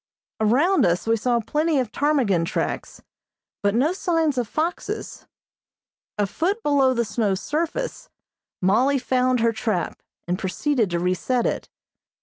Around us we saw plenty of ptarmigan tracks, but no signs of foxes. A foot below the snow's surface, Mollie found her trap, and proceeded to reset it.